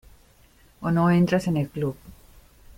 o no entras en el club.